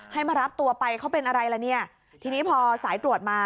ให้มารับตัวไปเขาเป็นอะไรล่ะเนี่ยทีนี้พอสายตรวจมา